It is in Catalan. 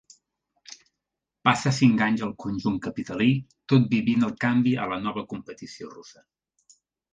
Passa cinc anys al conjunt capitalí, tot vivint el canvi a la nova competició russa.